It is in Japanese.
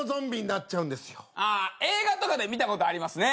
映画とかで見たことありますね。